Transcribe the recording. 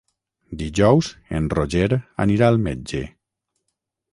Dijous en Roger anirà al metge.